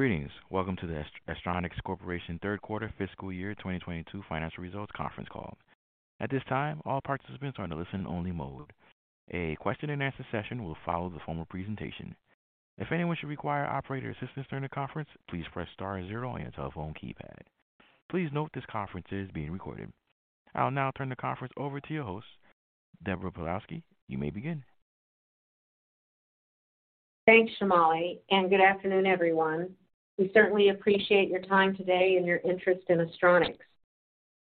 Greetings. Welcome to the Astronics Corporation third quarter fiscal Year 2022 financial results conference call. At this time, all participants are in a listen-only mode. A question-and-answer session will follow the formal presentation. If anyone should require operator assistance during the conference, please press star zero on your telephone keypad. Please note this conference is being recorded. I'll now turn the conference over to your host, Deborah Pawlowski. You may begin. Thank, Shamali, and good afternoon, everyone. We certainly appreciate your time today and your interest in Astronics.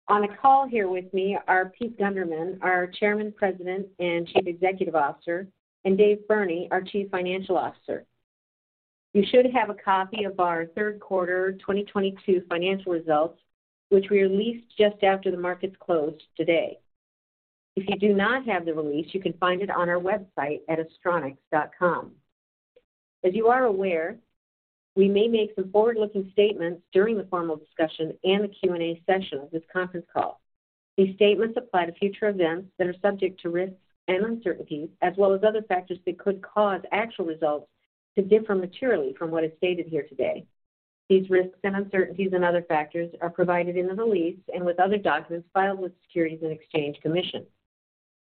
On the call here with me are Pete Gundermann, our Chairman, President, and Chief Executive Officer, and Dave Burney, our Chief Financial Officer. You should have a copy of our third quarter 2022 financial results, which we released just after the markets closed today. If you do not have the release, you can find it on our website at astronics.com. As you are aware, we may make some forward-looking statements during the formal discussion and the Q&A session of this conference call. These statements apply to future events that are subject to risks and uncertainties, as well as other factors that could cause actual results to differ materially from what is stated here today. These risks and uncertainties and other factors are provided in the release and with other documents filed with the Securities and Exchange Commission.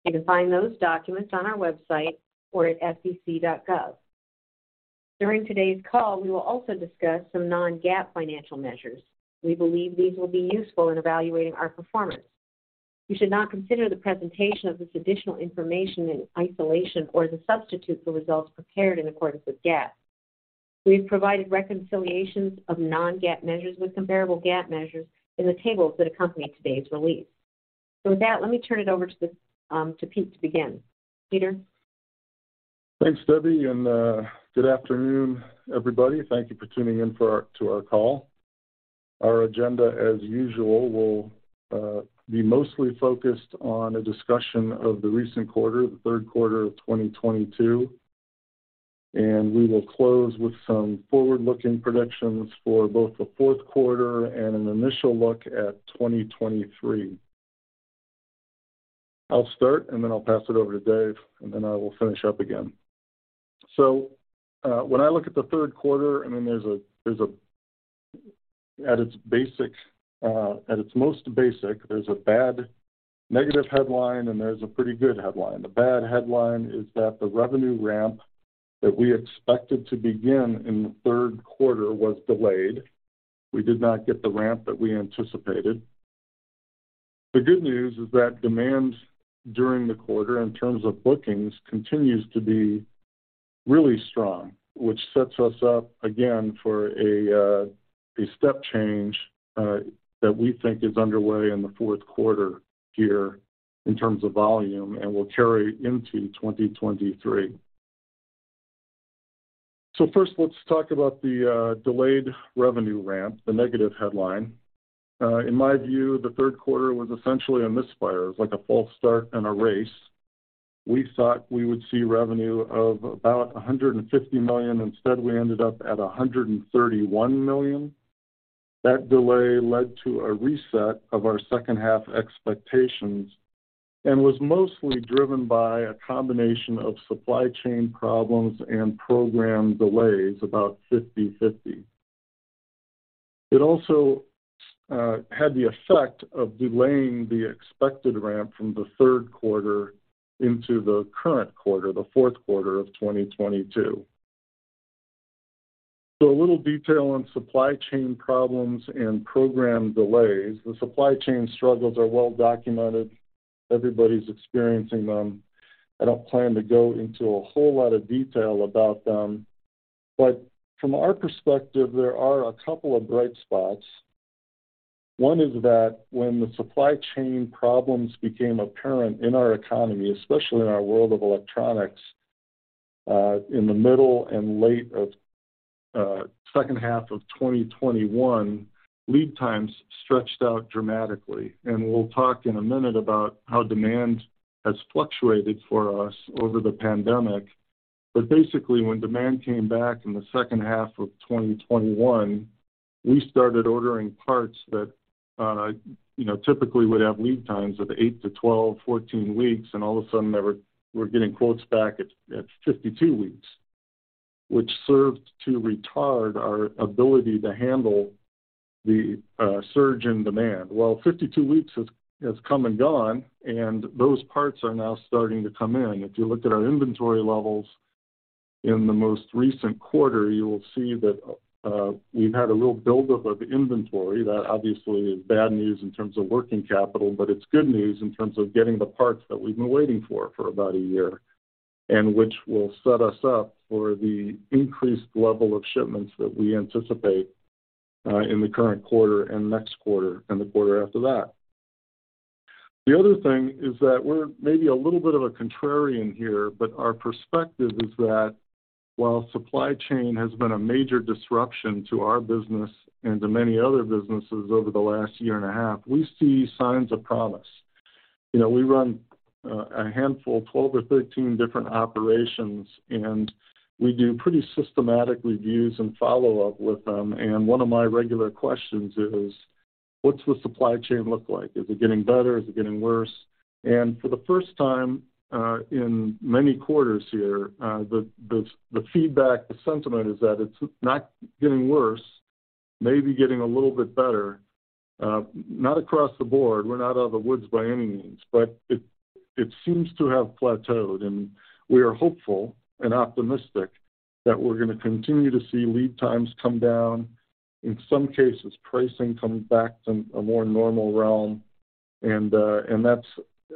You can find those documents on our website or at sec.gov. During today's call, we will also discuss some non-GAAP financial measures. We believe these will be useful in evaluating our performance. You should not consider the presentation of this additional information in isolation or as a substitute for results prepared in accordance with GAAP. We've provided reconciliations of non-GAAP measures with comparable GAAP measures in the tables that accompany today's release. With that, let me turn it over to Pete to begin. Peter? Thanks, Debbie, and good afternoon, everybody. Thank you for tuning in to our call. Our agenda, as usual, will be mostly focused on a discussion of the recent quarter, the third quarter of 2022, and we will close with some forward-looking predictions for both the fourth quarter and an initial look at 2023. I'll start, and then I'll pass it over to Dave, and then I will finish up again. When I look at the third quarter, I mean, at its most basic, there's a bad negative headline, and there's a pretty good headline. The bad headline is that the revenue ramp that we expected to begin in the third quarter was delayed. We did not get the ramp that we anticipated. The good news is that demand during the quarter in terms of bookings continues to be really strong, which sets us up again for a step change that we think is underway in the fourth quarter here in terms of volume and will carry into 2023. First let's talk about the delayed revenue ramp, the negative headline. In my view, the third quarter was essentially a misfire. It was like a false start in a race. We thought we would see revenue of about $150 million. Instead, we ended up at $131 million. That delay led to a reset of our second half expectations and was mostly driven by a combination of supply chain problems and program delays, about 50/50. It also had the effect of delaying the expected ramp from the third quarter into the current quarter, the fourth quarter of 2022. A little detail on supply chain problems and program delays. The supply chain struggles are well documented. Everybody's experiencing them. I don't plan to go into a whole lot of detail about them. From our perspective, there are a couple of bright spots. One is that when the supply chain problems became apparent in our economy, especially in our world of electronics, in the middle and late of second half of 2021, lead times stretched out dramatically. We'll talk in a minute about how demand has fluctuated for us over the pandemic. Basically, when demand came back in the second half of 2021, we started ordering parts that, you know, typically would have lead times of eight to 12, 14 weeks, and all of a sudden we're getting quotes back at 52 weeks, which served to retard our ability to handle the surge in demand. Well, 52 weeks has come and gone, and those parts are now starting to come in. If you look at our inventory levels in the most recent quarter, you will see that we've had a little buildup of inventory. That obviously is bad news in terms of working capital, but it's good news in terms of getting the parts that we've been waiting for for about a year, and which will set us up for the increased level of shipments that we anticipate in the current quarter and next quarter and the quarter after that. The other thing is that we're maybe a little bit of a contrarian here, but our perspective is that while supply chain has been a major disruption to our business and to many other businesses over the last year and a half, we see signs of promise. You know, we run a handful, 12 or 13 different operations, and we do pretty systematic reviews and follow-up with them. One of my regular questions is, What's the supply chain look like? Is it getting better? Is it getting worse? For the first time in many quarters here, the feedback, the sentiment is that it's not getting worse, maybe getting a little bit better. Not across the board. We're not out of the woods by any means, but it seems to have plateaued, and we are hopeful and optimistic that we're gonna continue to see lead times come down, in some cases, pricing come back to a more normal realm. That's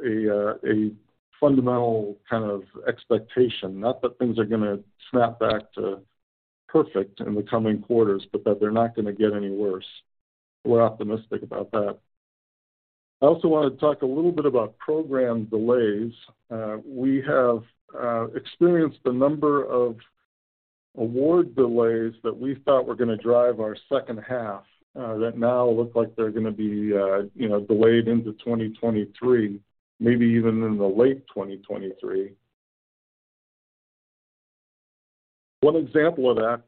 a fundamental kind of expectation, not that things are gonna snap back to perfect in the coming quarters, but that they're not gonna get any worse. We're optimistic about that. I also wanna talk a little bit about program delays. We have experienced a number of award delays that we thought were gonna drive our second half, that now look like they're gonna be, you know, delayed into 2023, maybe even into late 2023. One example of that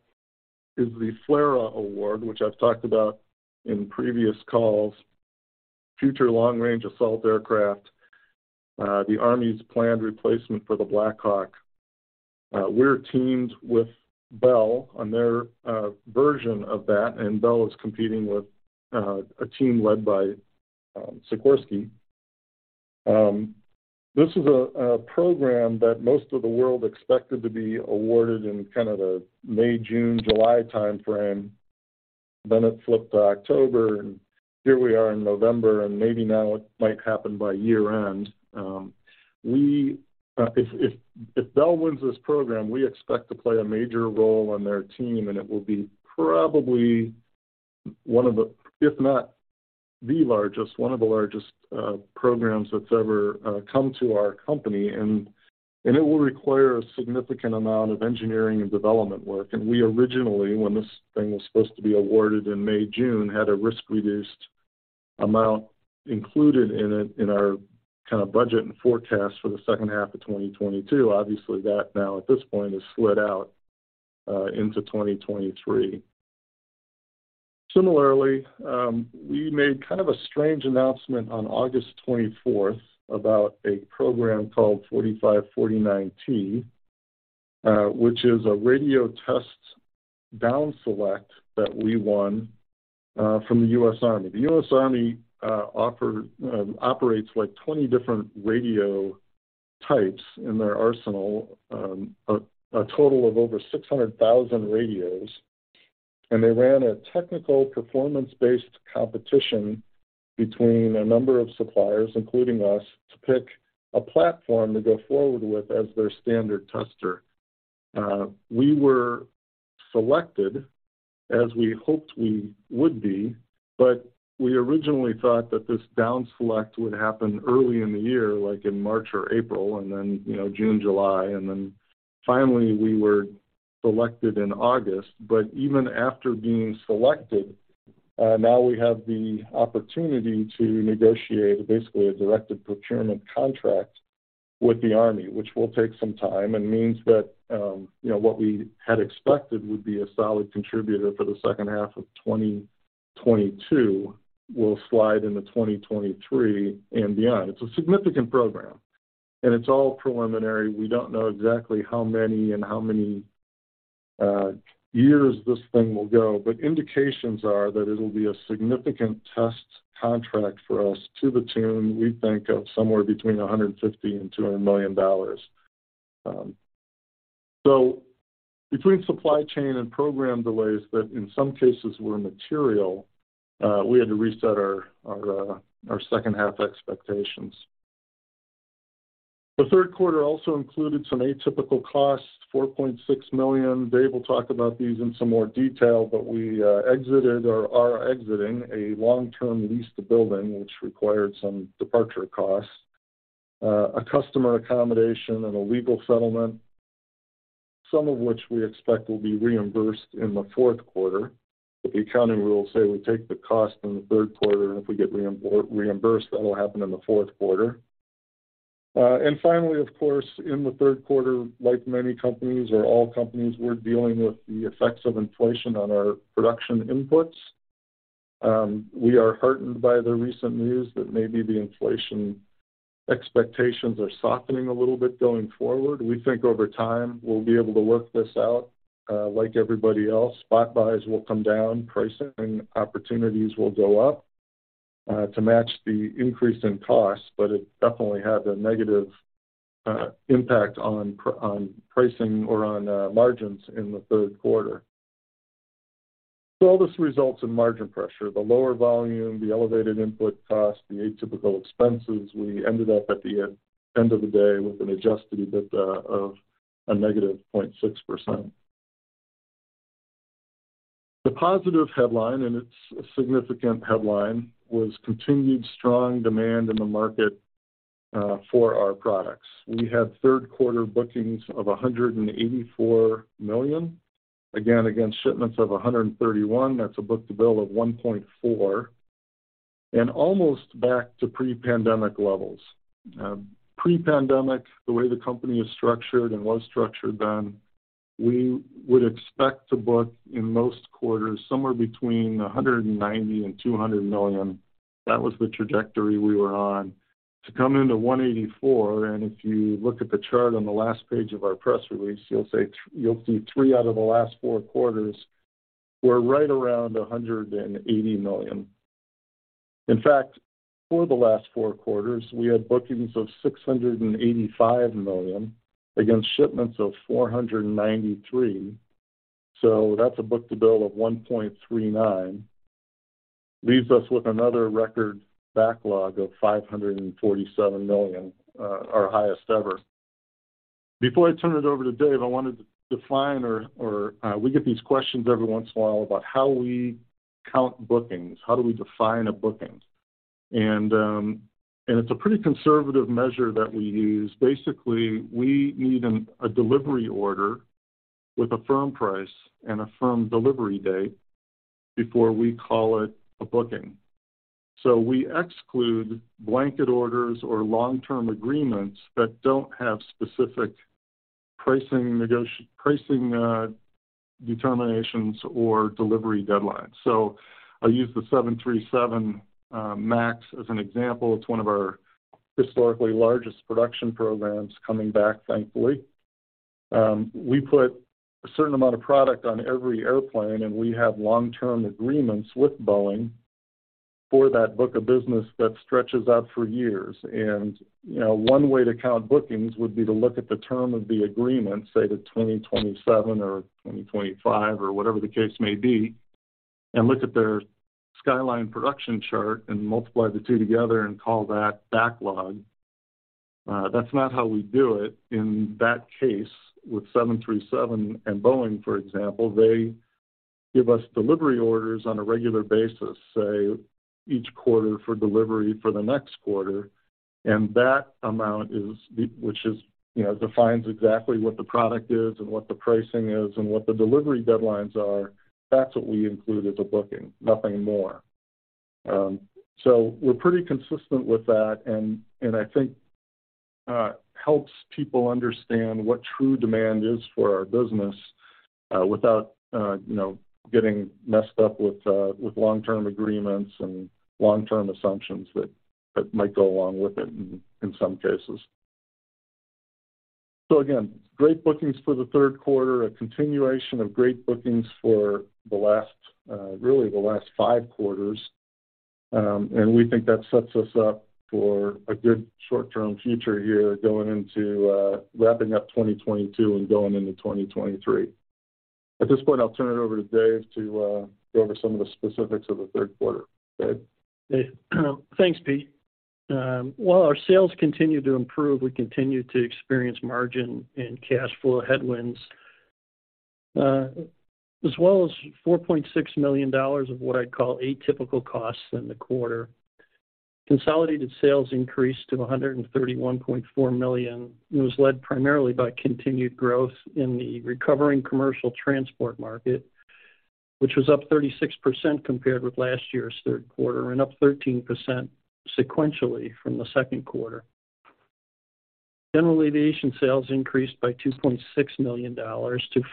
is the FLRAA award, which I've talked about in previous calls. Future Long-Range Assault Aircraft, the Army's planned replacement for the Black Hawk. We're teamed with Bell on their version of that, and Bell is competing with a team led by Sikorsky. This is a program that most of the world expected to be awarded in kind of a May, June, July timeframe. Then it flipped to October, and here we are in November, and maybe now it might happen by year-end. If Bell wins this program, we expect to play a major role on their team, and it will be probably one of the largest programs that's ever come to our company, and it will require a significant amount of engineering and development work. We originally, when this thing was supposed to be awarded in May, June, had a risk-reduced amount included in it in our kind of budget and forecast for the second half of 2022. Obviously, that now, at this point, is slid out into 2023. Similarly, we made kind of a strange announcement on August 24 about a program called TS-4549/T, which is a radio test down select that we won from the U.S. Army. The U.S. Army operates like 20 different radio types in their arsenal, a total of over 600,000 radios. They ran a technical performance-based competition between a number of suppliers, including us, to pick a platform to go forward with as their standard tester. We were selected, as we hoped we would be, but we originally thought that this down select would happen early in the year, like in March or April, and then, you know, June, July. Finally, we were selected in August. Even after being selected, now we have the opportunity to negotiate basically a directed procurement contract with the Army, which will take some time and means that, you know, what we had expected would be a solid contributor for the second half of 2022 will slide into 2023 and beyond. It's a significant program, and it's all preliminary. We don't know exactly how many years this thing will go, but indications are that it'll be a significant test contract for us to the tune, we think, of somewhere between $150 million and $200 million. Between supply chain and program delays that in some cases were material, we had to reset our second-half expectations. The third quarter also included some atypical costs, $4.6 million. Dave will talk about these in some more detail, but we exited or are exiting a long-term leased building, which required some departure costs, a customer accommodation and a legal settlement, some of which we expect will be reimbursed in the fourth quarter. The accounting rules say we take the cost in the third quarter, and if we get reimbursed, that'll happen in the fourth quarter. And finally, of course, in the third quarter, like many companies or all companies, we're dealing with the effects of inflation on our production inputs. We are heartened by the recent news that maybe the inflation expectations are softening a little bit going forward. We think over time we'll be able to work this out, like everybody else. Spot buys will come down, pricing opportunities will go up, to match the increase in costs, but it definitely had a negative impact on pricing or on margins in the third quarter. So all this results in margin pressure. The lower volume, the elevated input costs, the atypical expenses. We ended up at the end of the day with an Adjusted EBITDA of -0.6%. The positive headline, it's a significant headline, was continued strong demand in the market for our products. We had third-quarter bookings of $184 million. Again, against shipments of $131 million. That's a book-to-bill of 1.4, and almost back to pre-pandemic levels. Pre-pandemic, the way the company is structured and was structured then. We would expect to book in most quarters somewhere between $190 million and $200 million. That was the trajectory we were on. To come into $184, and if you look at the chart on the last page of our press release, you'll see three out of the last four quarters were right around $180 million. In fact, for the last four quarters, we had bookings of $685 million against shipments of $493 million. That's a book-to-bill of 1.39. Leaves us with another record backlog of $547 million, our highest ever. Before I turn it over to Dave, I wanted to define we get these questions every once in a while about how we count bookings, how do we define a booking. It's a pretty conservative measure that we use. Basically, we need a delivery order with a firm price and a firm delivery date before we call it a booking. We exclude blanket orders or long-term agreements that don't have specific pricing determinations or delivery deadlines. I'll use the 737 MAX as an example. It's one of our historically largest production programs coming back, thankfully. We put a certain amount of product on every airplane, and we have long-term agreements with Boeing for that book of business that stretches out for years. You know, one way to count bookings would be to look at the term of the agreement, say to 2027 or 2025 or whatever the case may be, and look at their skyline production chart and multiply the two together and call that backlog. That's not how we do it. In that case, with 737 and Boeing, for example, they give us delivery orders on a regular basis, say each quarter for delivery for the next quarter. That amount, which is, you know, defines exactly what the product is and what the pricing is and what the delivery deadlines are. That's what we include as a booking, nothing more. We're pretty consistent with that, and I think helps people understand what true demand is for our business, without you know, getting messed up with long-term agreements and long-term assumptions that might go along with it in some cases. Again, great bookings for the third quarter, a continuation of great bookings for the last really the last five quarters. We think that sets us up for a good short-term future here going into wrapping up 2022 and going into 2023. At this point, I'll turn it over to Dave Burney to go over some of the specifics of the third quarter. Dave Burney? Thanks, Pete. While our sales continued to improve, we continued to experience margin and cash flow headwinds, as well as $4.6 million of what I'd call atypical costs in the quarter. Consolidated sales increased to $131.4 million and was led primarily by continued growth in the recovering commercial transport market, which was up 36% compared with last year's third quarter and up 13% sequentially from the second quarter. General aviation sales increased by $2.6 million to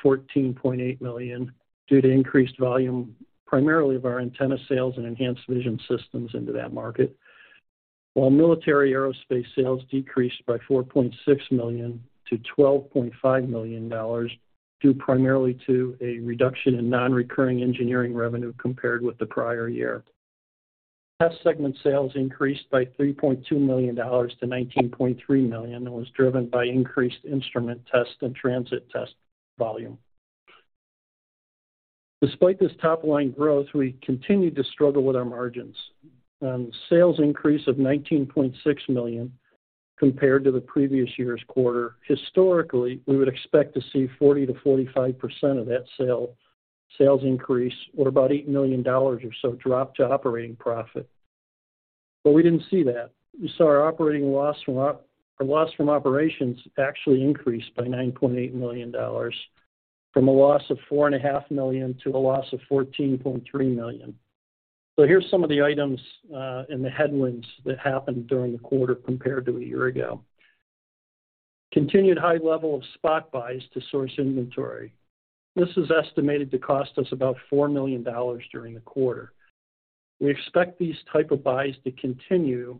$14.8 million due to increased volume primarily of our antenna sales and enhanced vision systems into that market. While military aerospace sales decreased by $4.6 million to $12.5 million, due primarily to a reduction in non-recurring engineering revenue compared with the prior year. Test segment sales increased by $3.2 million to $19.3 million and was driven by increased instrument test and transit test volume. Despite this top-line growth, we continued to struggle with our margins. On sales increase of $19.6 million compared to the previous year's quarter, historically, we would expect to see 40%-45% of that sales increase or about $8 million or so drop to operating profit. We didn't see that. We saw our operating loss from our loss from operations actually increase by $9.8 million from a loss of $4.5 million to a loss of $14.3 million. Here's some of the items, and the headwinds that happened during the quarter compared to a year ago. Continued high level of spot buys to source inventory. This is estimated to cost us about $4 million during the quarter. We expect these type of buys to continue,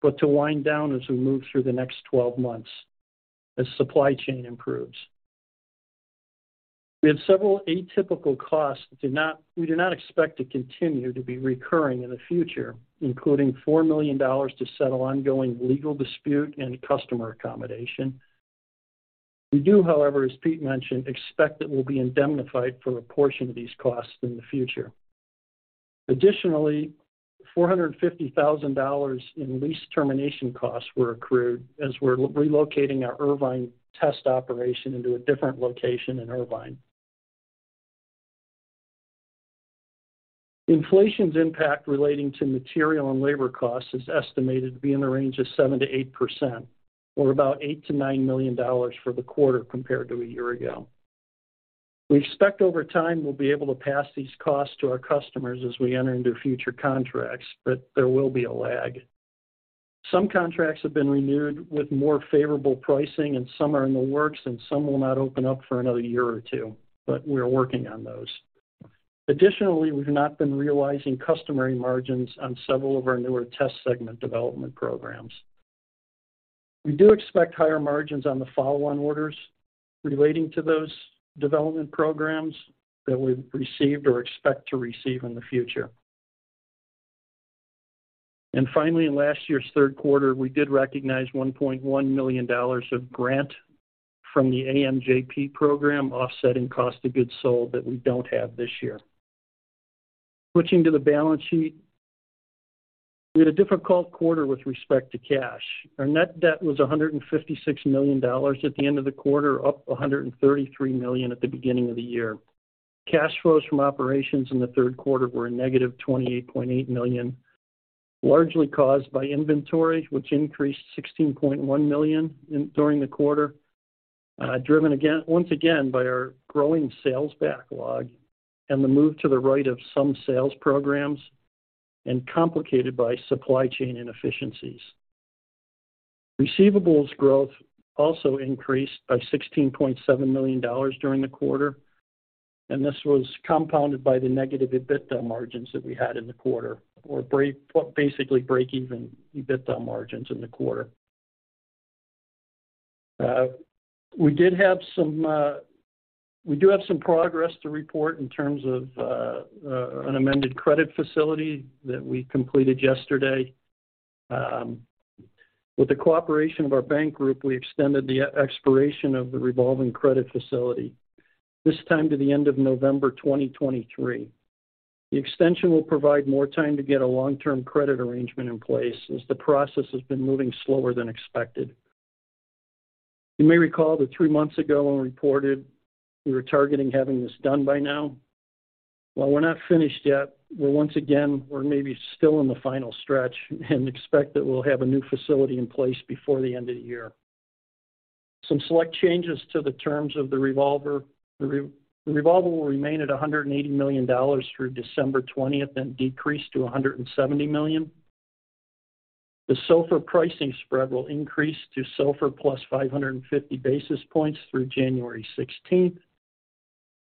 but to wind down as we move through the next 12 months as supply chain improves. We have several atypical costs we do not expect to continue to be recurring in the future, including $4 million to settle ongoing legal dispute and customer accommodation. We do, however, as Pete mentioned, expect that we'll be indemnified for a portion of these costs in the future. Additionally, $450,000 in lease termination costs were accrued as we're relocating our Irvine test operation into a different location in Irvine. Inflation's impact relating to material and labor costs is estimated to be in the range of 7%-8% or about $8 million-$9 million for the quarter compared to a year ago. We expect over time, we'll be able to pass these costs to our customers as we enter into future contracts, but there will be a lag. Some contracts have been renewed with more favorable pricing, and some are in the works, and some will not open up for another year or two, but we're working on those. Additionally, we've not been realizing customary margins on several of our newer test segment development programs. We do expect higher margins on the follow-on orders relating to those development programs that we've received or expect to receive in the future. Finally, in last year's third quarter, we did recognize $1.1 million of grant from the AMJP program offsetting cost of goods sold that we don't have this year. Switching to the balance sheet, we had a difficult quarter with respect to cash. Our net debt was $156 million at the end of the quarter, up $133 million at the beginning of the year. Cash flows from operations in the third quarter were negative $28.8 million, largely caused by inventory, which increased $16.1 million during the quarter, driven once again by our growing sales backlog and the move to the right of some sales programs and complicated by supply chain inefficiencies. Receivables growth also increased by $16.7 million during the quarter, and this was compounded by the negative EBITDA margins that we had in the quarter, basically breakeven EBITDA margins in the quarter. We do have some progress to report in terms of an amended credit facility that we completed yesterday. With the cooperation of our bank group, we extended the expiration of the revolving credit facility, this time to the end of November 2023. The extension will provide more time to get a long-term credit arrangement in place as the process has been moving slower than expected. You may recall that three months ago when we reported we were targeting having this done by now. While we're not finished yet, we're once again maybe still in the final stretch and expect that we'll have a new facility in place before the end of the year. Some select changes to the terms of the revolver. The revolver will remain at $180 million through December 20th, then decrease to $170 million. The SOFR pricing spread will increase to SOFR plus 550 basis points through January 16th,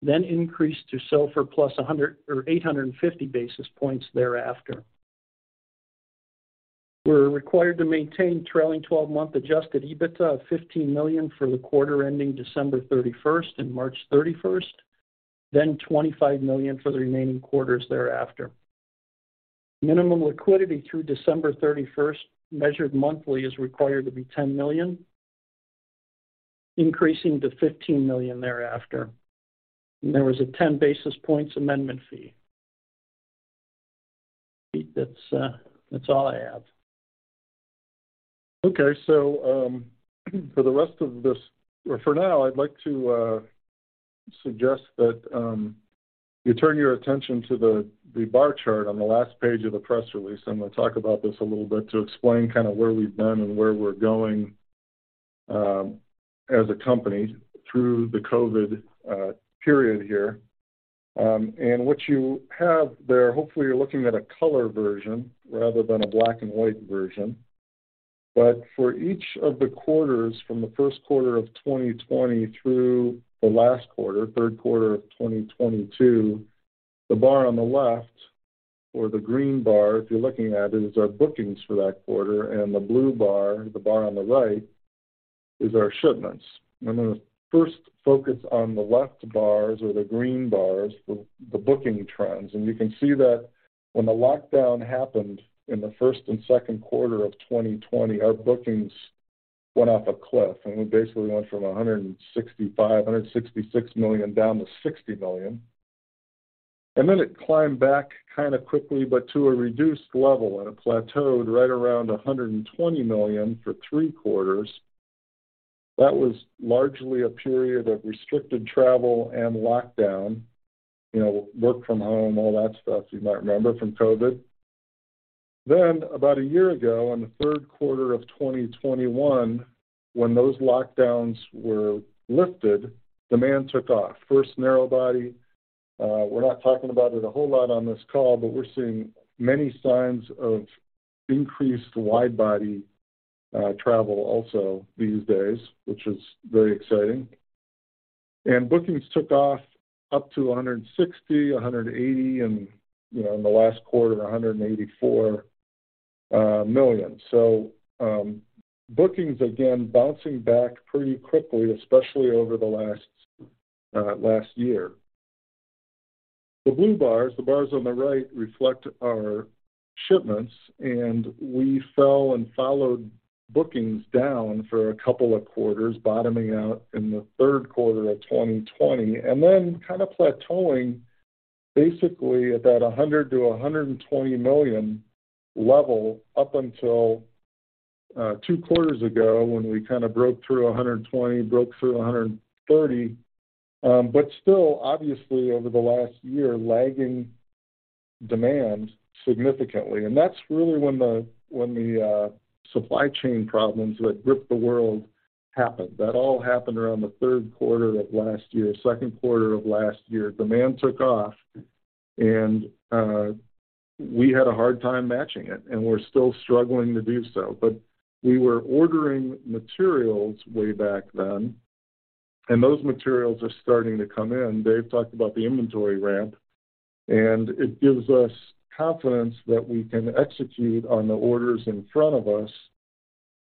then increase to SOFR plus 750 basis points thereafter. We're required to maintain trailing12-month adjusted EBITDA of $15 million for the quarter ending December 31st and March 31st, then $25 million for the remaining quarters thereafter. Minimum liquidity through December 31st, measured monthly, is required to be $10 million, increasing to $15 million thereafter. There was a 10 basis points amendment fee. Pete, that's all I have. Okay. For the rest of this or for now, I'd like to suggest that you turn your attention to the bar chart on the last page of the press release, and I'm gonna talk about this a little bit to explain kinda where we've been and where we're going, as a company through the COVID period here. What you have there, hopefully you're looking at a color version rather than a black and white version. For each of the quarters from the first quarter of 2020 through the last quarter, third quarter of 2022, the bar on the left or the green bar, if you're looking at, is our bookings for that quarter, and the blue bar, the bar on the right, is our shipments. I'm gonna first focus on the left bars or the green bars, the booking trends. You can see that when the lockdown happened in the first and second quarter of 2020, our bookings went off a cliff, and we basically went from $165, $166 million down to $60 million. It climbed back kinda quickly but to a reduced level, and it plateaued right around $120 million for three quarters. That was largely a period of restricted travel and lockdown. You know, work from home, all that stuff you might remember from COVID. About a year ago, in the third quarter of 2021, when those lockdowns were lifted, demand took off. First narrow body. We're not talking about it a whole lot on this call, but we're seeing many signs of increased wide-body travel also these days, which is very exciting. Bookings took off up to $160 million-$180 million, and, you know, in the last quarter, $184 million. Bookings again bouncing back pretty quickly, especially over the last year. The blue bars, the bars on the right reflect our shipments, and we fell and followed bookings down for a couple of quarters, bottoming out in the third quarter of 2020, and then kinda plateauing basically at that $100 million-$120 million level up until two quarters ago when we kinda broke through $120 million, broke through $130 million. But still obviously over the last year, lagging demand significantly. That's really when the supply chain problems that gripped the world happened. That all happened around the third quarter of last year. Second quarter of last year, demand took off. We had a hard time matching it, and we're still struggling to do so. We were ordering materials way back then, and those materials are starting to come in. Dave talked about the inventory ramp, and it gives us confidence that we can execute on the orders in front of us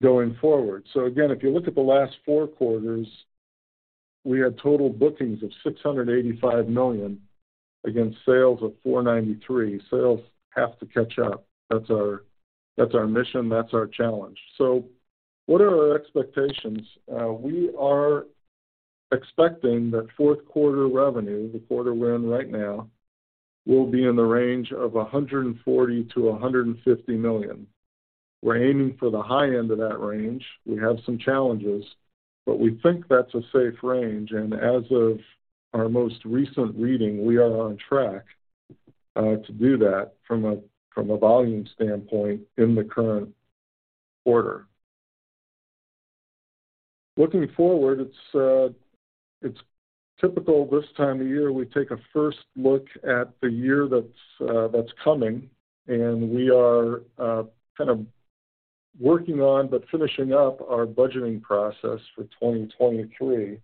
going forward. Again, if you look at the last four quarters, we had total bookings of $685 million against sales of $493 million. Sales have to catch up. That's our mission, that's our challenge. What are our expectations? We are expecting that fourth quarter revenue, the quarter we're in right now, will be in the range of $140 million-$150 million. We're aiming for the high end of that range. We have some challenges, but we think that's a safe range. As of our most recent reading, we are on track to do that from a volume standpoint in the current quarter. Looking forward, it's typical this time of year, we take a first look at the year that's coming, and we are kind of working on but finishing up our budgeting process for 2023.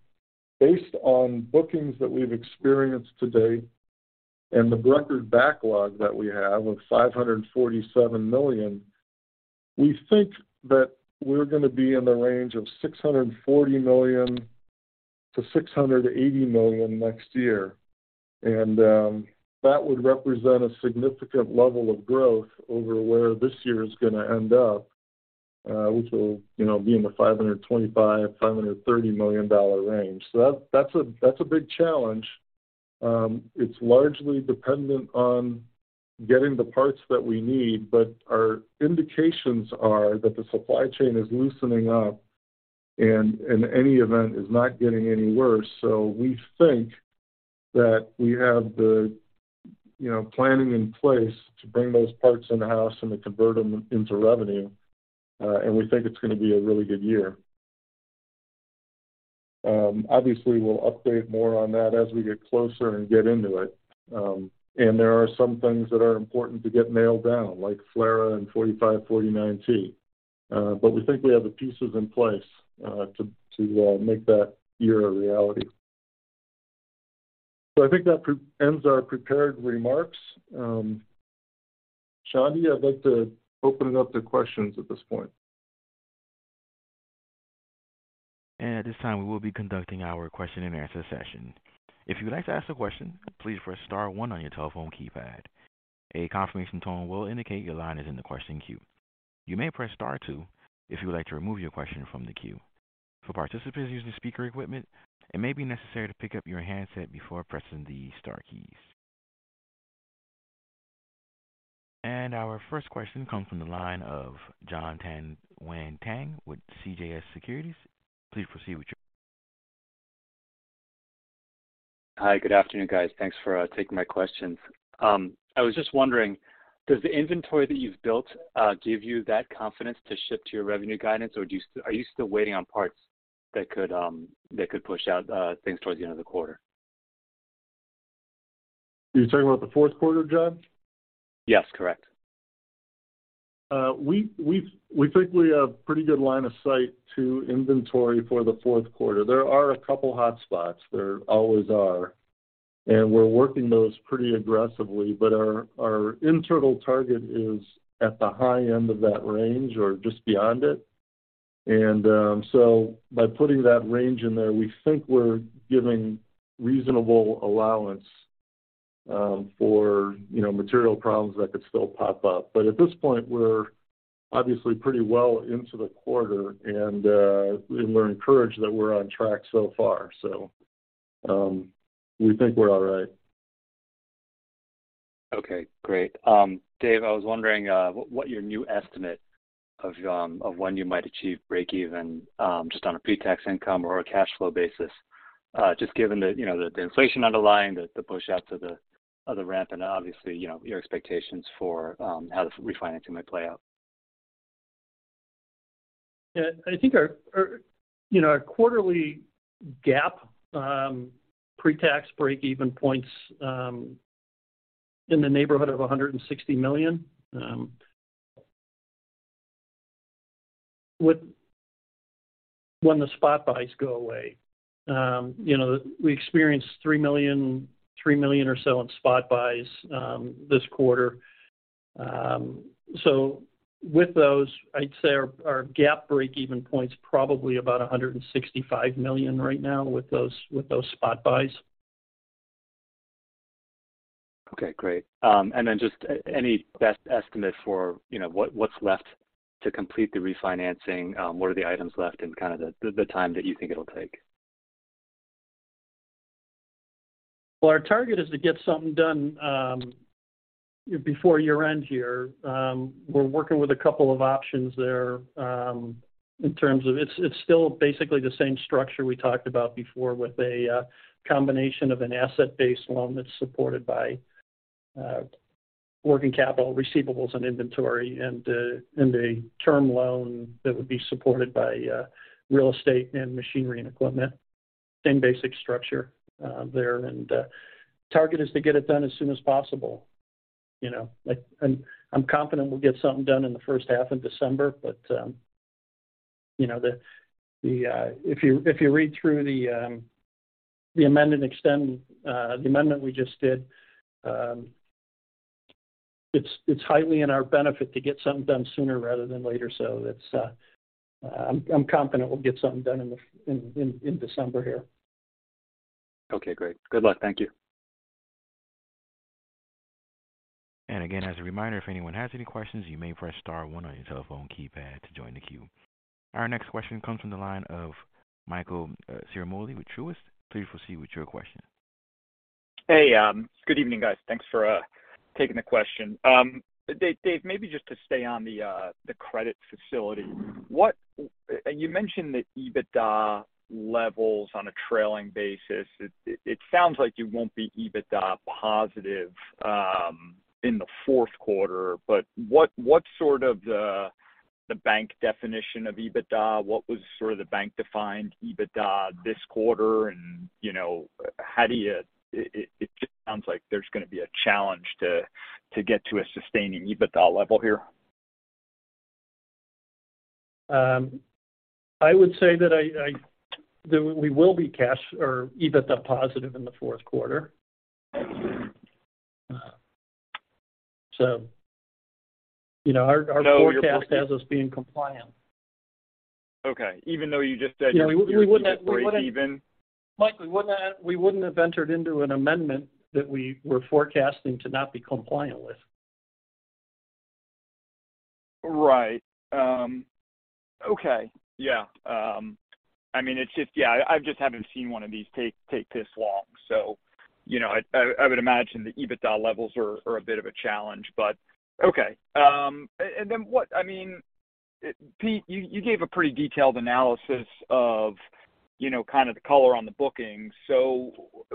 Based on bookings that we've experienced to date and the record backlog that we have of $547 million, we think that we're gonna be in the range of $640 million-$680 million next year. That would represent a significant level of growth over where this year is gonna end up, which will, you know, be in the $525-$530 million range. That's a big challenge. It's largely dependent on getting the parts that we need. But our indications are that the supply chain is loosening up and, in any event, is not getting any worse. We think that we have the, you know, planning in place to bring those parts in house and to convert them into revenue. We think it's gonna be a really good year. Obviously, we'll update more on that as we get closer and get into it. There are some things that are important to get nailed down, like FLRAA and TS-4549/T. We think we have the pieces in place to make that year a reality. I think that ends our prepared remarks. Shamali, I'd like to open it up to questions at this point. At this time, we will be conducting our question and answer session. If you would like to ask a question, please press star one on your telephone keypad. A confirmation tone will indicate your line is in the question queue. You may press star two if you would like to remove your question from the queue. For participants using speaker equipment, it may be necessary to pick up your handset before pressing the star keys. Our first question comes from the line of Jon Tanwanteng with CJS Securities. Please proceed with your question. Hi. Good afternoon, guys. Thanks for taking my questions. I was just wondering, does the inventory that you've built give you that confidence to ship to your revenue guidance? Or are you still waiting on parts that could push out things towards the end of the quarter? You're talking about the fourth quarter, Jon? Yes, correct. We think we have pretty good line of sight to inventory for the fourth quarter. There are a couple hotspots. There always are. We're working those pretty aggressively. Our internal target is at the high end of that range or just beyond it. By putting that range in there, we think we're giving reasonable allowance for, you know, material problems that could still pop up. At this point, we're obviously pretty well into the quarter, and we're encouraged that we're on track so far. We think we're all right. Okay, great. Dave, I was wondering what your new estimate of when you might achieve breakeven just on a pre-tax income or a cash flow basis just given the, you know, the underlying inflation, the push out of the ramp and obviously, you know, your expectations for how the refinancing might play out. Yeah. I think our you know our quarterly GAAP pre-tax breakeven points in the neighborhood of $100 million when the spot buys go away. You know, we experienced $3 million or so in spot buys this quarter. With those, I'd say our GAAP breakeven point's probably about $165 million right now with those spot buys. Okay, great. Just any best estimate for, you know, what's left to complete the refinancing? What are the items left and kind of the time that you think it'll take? Well, our target is to get something done before year-end here. We're working with a couple of options there in terms of. It's still basically the same structure we talked about before with a combination of an asset-based loan that's supported by working capital receivables and inventory and a term loan that would be supported by real estate and machinery and equipment. Same basic structure there. Target is to get it done as soon as possible. You know, like I'm confident we'll get something done in the first half of December. You know, if you read through the amend and extend, the amendment we just did, it's highly in our benefit to get something done sooner rather than later. I'm confident we'll get something done in December here. Okay, great. Good luck. Thank you. Again, as a reminder, if anyone has any questions, you may press star one on your telephone keypad to join the queue. Our next question comes from the line of Michael Ciarmoli with Truist. Please proceed with your question. Hey, good evening, guys. Thanks for taking the question. Dave, maybe just to stay on the credit facility. You mentioned the EBITDA levels on a trailing basis. It sounds like you won't be EBITDA positive in the fourth quarter, but what sort of the bank definition of EBITDA? What was sort of the bank-defined EBITDA this quarter? You know, it just sounds like there's gonna be a challenge to get to a sustaining EBITDA level here. I would say that we will be cash or EBITDA positive in the fourth quarter. You know, our No, you're. Forecast has us being compliant. Okay. Even though you just said you Yeah, we wouldn't. You were looking to break even. Mike, we wouldn't have entered into an amendment that we were forecasting to not be compliant with. Right. I mean, it's just I just haven't seen one of these take this long. You know, I would imagine the EBITDA levels are a bit of a challenge, but okay. I mean, Pete, you gave a pretty detailed analysis of, you know, kind of the color on the bookings.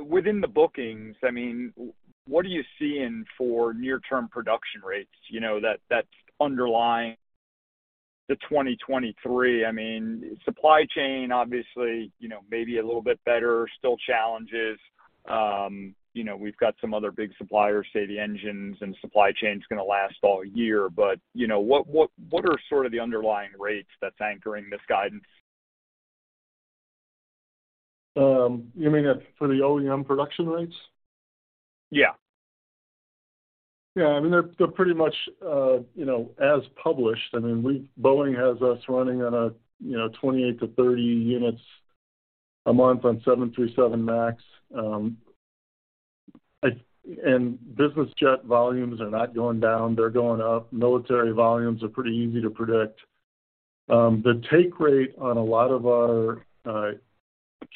Within the bookings, I mean, what are you seeing for near-term production rates, you know, that's underlying the 2023? I mean, supply chain, obviously, you know, maybe a little bit better, still challenges. You know, we've got some other big suppliers such as the engines and supply chain's gonna last all year. You know, what are sort of the underlying rates that's anchoring this guidance? You mean for the OEM production rates? Yeah. Yeah. I mean, they're pretty much, you know, as published. I mean, Boeing has us running on a, you know, 28-30 units a month on 737 MAX. Business jet volumes are not going down, they're going up. Military volumes are pretty easy to predict. The take rate on a lot of our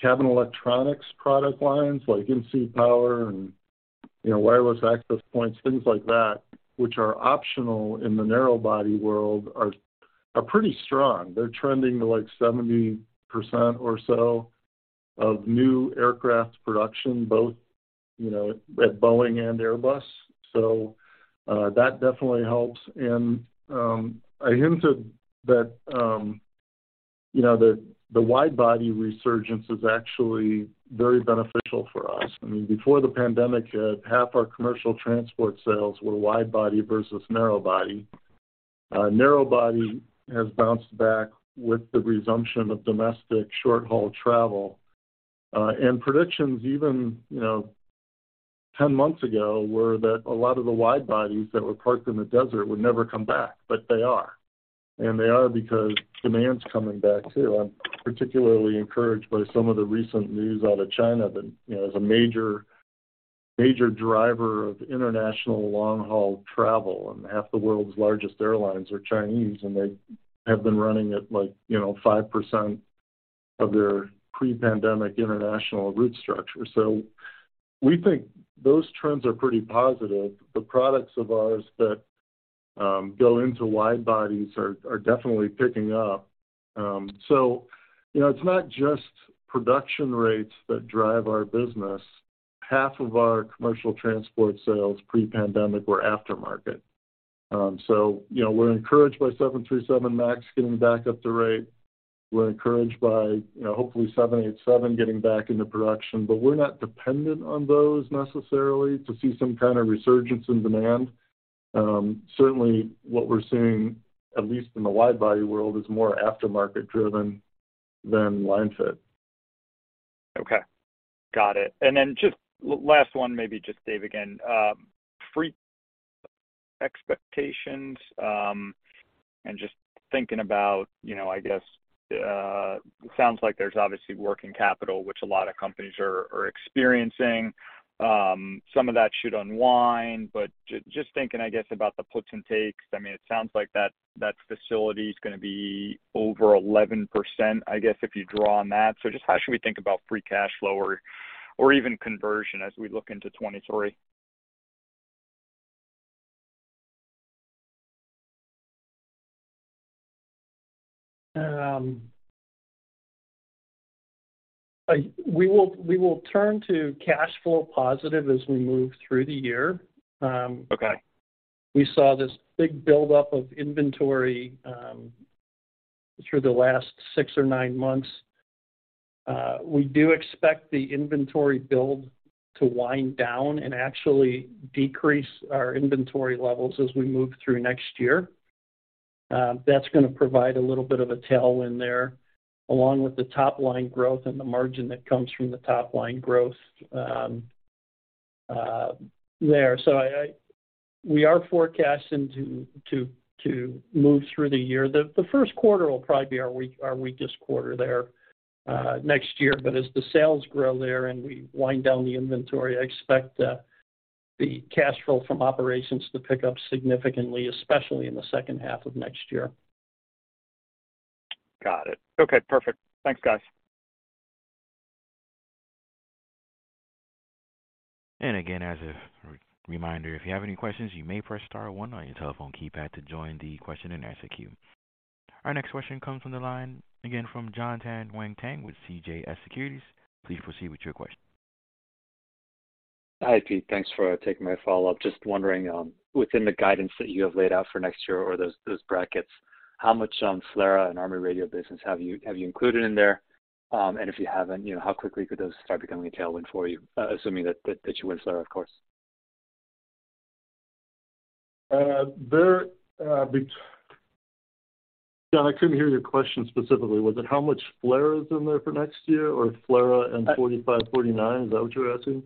cabin electronics product lines, like in-seat power and, you know, wireless access points, things like that, which are optional in the narrow-body world, are pretty strong. They're trending to, like, 70% or so of new aircraft production, both, you know, at Boeing and Airbus. So, that definitely helps. And, I hinted that, you know, the wide-body resurgence is actually very beneficial for us. I mean, before the pandemic hit, half our commercial transport sales were wide body versus narrow body. Narrow body has bounced back with the resumption of domestic short-haul travel. Predictions even, you know, 10 months ago were that a lot of the wide bodies that were parked in the desert would never come back, but they are. They are because demand's coming back too. I'm particularly encouraged by some of the recent news out of China that, you know, as a major driver of international long-haul travel, and half the world's largest airlines are Chinese, and they have been running at, like, you know, 5% of their pre-pandemic international route structure. We think those trends are pretty positive. The products of ours that go into wide bodies are definitely picking up. You know, it's not just production rates that drive our business. Half of our commercial transport sales pre-pandemic were aftermarket. You know, we're encouraged by 737 MAX getting back up to rate. We're encouraged by, you know, hopefully 787 getting back into production, but we're not dependent on those necessarily to see some kind of resurgence in demand. Certainly what we're seeing, at least in the wide body world, is more aftermarket driven than line fit. Okay. Got it. Just last one, maybe just Dave again. FCF expectations, and just thinking about, you know, I guess, it sounds like there's obviously working capital, which a lot of companies are experiencing. Some of that should unwind. Just thinking, I guess, about the puts and takes. I mean, it sounds like that facility is gonna be over 11%, I guess, if you draw on that. Just how should we think about free cash flow or even conversion as we look into 2023? We will turn to cash flow positive as we move through the year. Okay. We saw this big build-up of inventory through the last six or nine months. We do expect the inventory build to wind down and actually decrease our inventory levels as we move through next year. That's gonna provide a little bit of a tailwind there, along with the top-line growth and the margin that comes from the top-line growth there. We are forecasting to move through the year. The first quarter will probably be our weakest quarter there next year. As the sales grow there and we wind down the inventory, I expect the cash flow from operations to pick up significantly, especially in the second half of next year. Got it. Okay, perfect. Thanks, guys. Again, as a reminder, if you have any questions, you may press star one on your telephone keypad to join the question-and-answer queue. Our next question comes from the line, again, from Jon Tanwanteng with CJS Securities. Please proceed with your question. Hi, Pete. Thanks for taking my follow-up. Just wondering, within the guidance that you have laid out for next year or those brackets, how much on FLRAA and Army Radio business have you included in there? If you haven't, you know, how quickly could those start becoming a tailwind for you, assuming that you win FLRAA, of course. Jon, I couldn't hear your question specifically. Was it how much FLRAA is in there for next year or FLRAA and 4549? Is that what you're asking?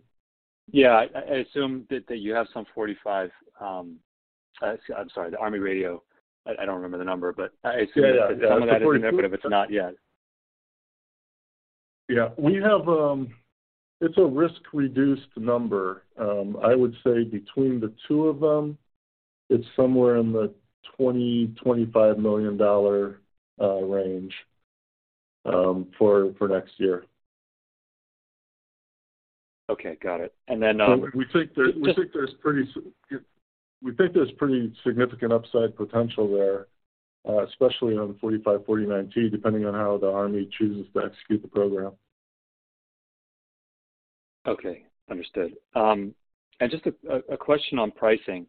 I'm sorry, the Army radio. I don't remember the number, but I assume- Yeah, yeah. You have added it in there, but if it's not yet. Yeah. We have. It's a risk-reduced number. I would say between the two of them, it's somewhere in the $20-$25 million range for next year. Okay, got it. We think there's pretty significant upside potential there, especially on the TS-4549/T, depending on how the Army chooses to execute the program. Okay, understood. Just a question on pricing.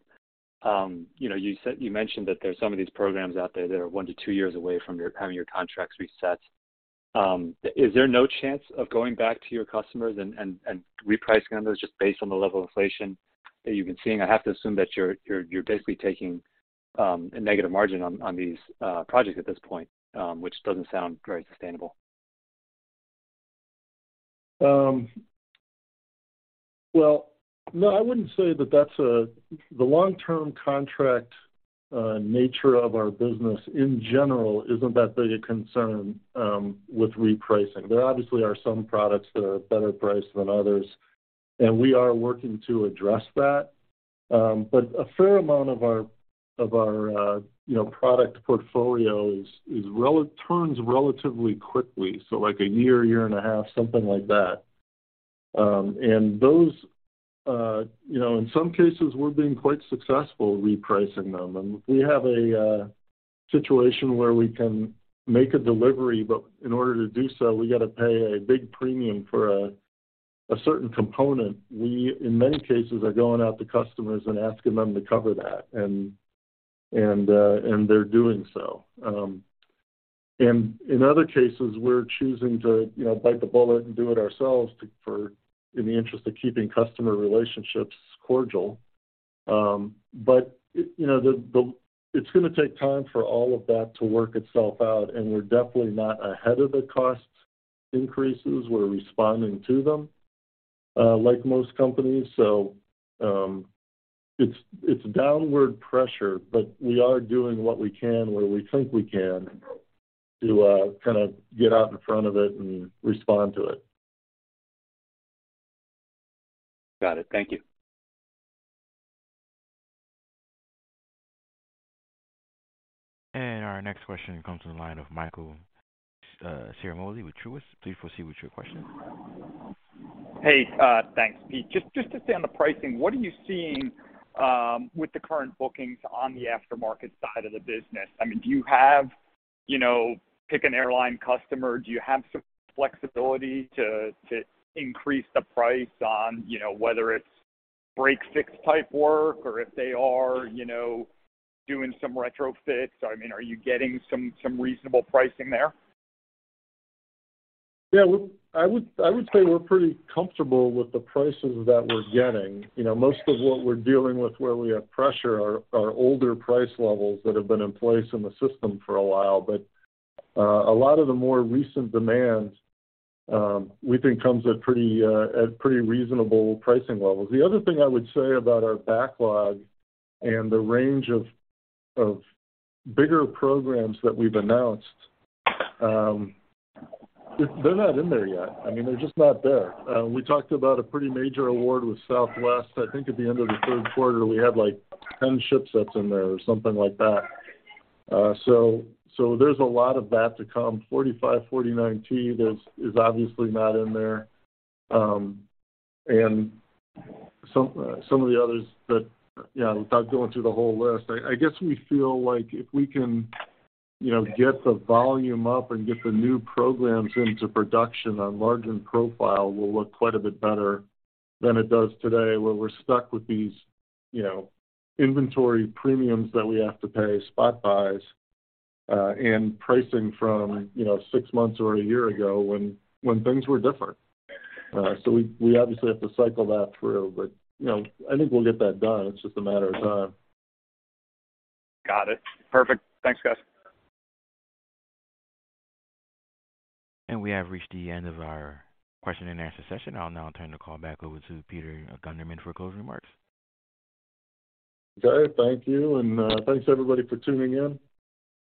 You know, you mentioned that there's some of these programs out there that are one-two years away from you having your contracts reset. Is there no chance of going back to your customers and repricing on those just based on the level of inflation that you've been seeing? I have to assume that you're basically taking a negative margin on these projects at this point, which doesn't sound very sustainable. Well, no, I wouldn't say that the long-term contract nature of our business in general is that big a concern with repricing. There obviously are some products that are better priced than others, and we are working to address that. A fair amount of our, you know, product portfolio turns relatively quickly, so like a year and a half, something like that. Those, you know, in some cases we're being quite successful repricing them, and we have a situation where we can make a delivery, but in order to do so, we got to pay a big premium for a certain component. We, in many cases, are going out to customers and asking them to cover that, and they're doing so. In other cases, we're choosing to, you know, bite the bullet and do it ourselves for in the interest of keeping customer relationships cordial. You know, it's gonna take time for all of that to work itself out, and we're definitely not ahead of the cost increases. We're responding to them, like most companies. It's downward pressure, but we are doing what we can where we think we can to kind of get out in front of it and respond to it. Got it. Thank you. Our next question comes from the line of Michael Ciarmoli with Truist. Please proceed with your question. Hey, thanks, Pete. Just to stay on the pricing, what are you seeing with the current bookings on the aftermarket side of the business? I mean, do you have, you know, pick an airline customer, do you have some flexibility to increase the price on, you know, whether it's break/fix type work or if they are, you know, doing some retrofits? I mean, are you getting some reasonable pricing there? Yeah. I would say we're pretty comfortable with the prices that we're getting. You know, most of what we're dealing with where we have pressure are older price levels that have been in place in the system for a while. A lot of the more recent demands, we think comes at pretty reasonable pricing levels. The other thing I would say about our backlog and the range of bigger programs that we've announced, they're not in there yet. I mean, they're just not there. We talked about a pretty major award with Southwest. I think at the end of the third quarter, we had, like, 10 shipsets in there or something like that. There's a lot of that to come. TS-4549/T is obviously not in there. Some of the others that, you know, without going through the whole list, I guess we feel like if we can, you know, get the volume up and get the new programs into production, our margin profile will look quite a bit better than it does today, where we're stuck with these, you know, inventory premiums that we have to pay, spot buys, and pricing from, you know, six months or a year ago when things were different. We obviously have to cycle that through, but, you know, I think we'll get that done. It's just a matter of time. Got it. Perfect. Thanks, guys. We have reached the end of our question-and-answer session. I'll now turn the call back over to Peter Gundermann for closing remarks. Okay. Thank you, and thanks everybody for tuning in.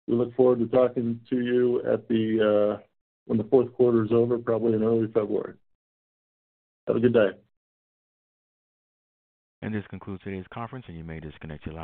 We look forward to talking to you when the fourth quarter is over, probably in early February. Have a good day. This concludes today's conference, and you may disconnect your line.